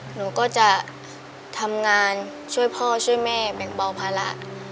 หนูก็จะทำงานช่วยพ่อช่วยแม่แบ่งเบาภาระ